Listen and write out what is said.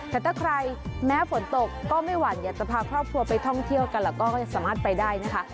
แต่ถ้าใครแม้ฝนตกก็ไม่หวั่นอยากจะพาครอบครัวไปท่องเที่ยวกันแล้วก็ยังสามารถไปได้นะคะ